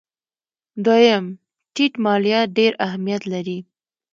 دویم: ټیټ مالیات ډېر اهمیت لري.